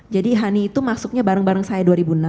jadi hani itu masuknya bareng bareng saya dua ribu enam